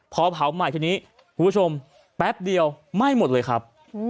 พอเผาใหม่ทีนี้คุณผู้ชมแป๊บเดียวไหม้หมดเลยครับ